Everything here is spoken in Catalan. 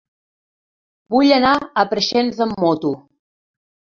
Vull anar a Preixens amb moto.